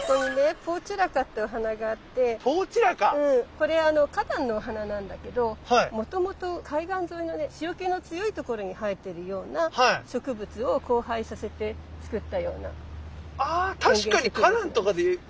これあの花壇のお花なんだけどもともと海岸沿いのね塩気の強いところに生えてるような植物を交配させて作ったような園芸植物。